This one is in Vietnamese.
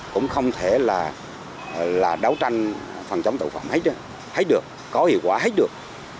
cũng không thể là đấu tranh phòng chống tội phạm hết được có hiệu quả hết được